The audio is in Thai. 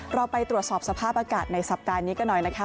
เราไปตรวจสอบสภาพอากาศในสัปดาห์นี้กันหน่อยนะคะ